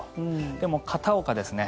でも、片岡ですね